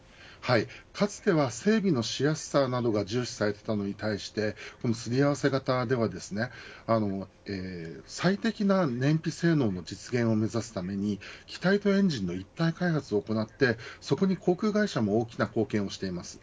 かつては整備のしやすさなどが重視されていたのに対してこのすり合わせ型ではですね最適な燃費性能の実現を目指すために機体とエンジンの一体開発を行ってそこに航空会社も大きな貢献をしています。